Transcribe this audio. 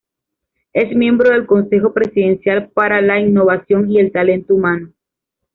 Es miembro del Consejo Presidencial para la Innovación y el Talento Humano.